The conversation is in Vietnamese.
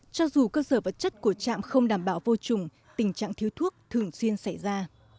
cho dù cơ sở vật chất của trạm không đảm bảo vô trùng tình trạng thiếu thuốc thường xuyên xảy ra